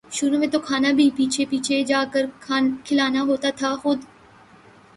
شروع میں تو کھانا بھی پیچھے پیچھے جا کر کھلانا ہوتا تھا خود